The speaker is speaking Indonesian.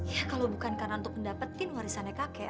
ya kalau bukan karena untuk mendapatkan warisannya kakek